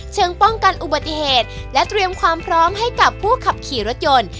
ป้องกันอุบัติเหตุและเตรียมความพร้อมให้กับผู้ขับขี่รถยนต์